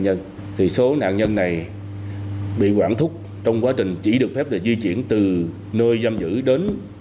thì số nạn nhân này bị quản thúc trong quá trình chỉ được phép là di chuyển từ nơi giam giữ đến